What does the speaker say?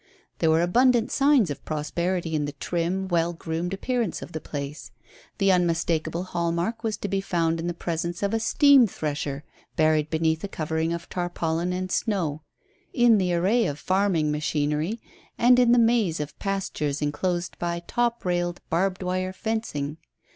There were abundant signs of prosperity in the trim, well groomed appearance of the place. The unmistakable hall mark was to be found in the presence of a steam thresher, buried beneath a covering of tarpaulin and snow, in the array of farming machinery, and in the maze of pastures enclosed by top railed, barbed wire fencing.